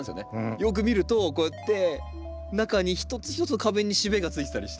よく見るとこうやって中にひとつひとつの花弁にしべがついてたりして。